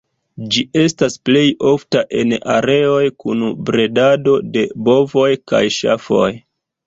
Ĝi estas plej ofta en areoj kun bredado de bovoj kaj ŝafoj.